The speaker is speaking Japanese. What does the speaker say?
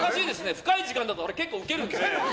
深い時間だとあれ結構ウケるんですけど。